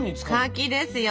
柿ですよ。